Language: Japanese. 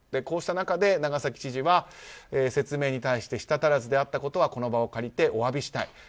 こうした中で長崎知事は、説明に対して舌足らずであったことはこの場を借りてお詫びしたい。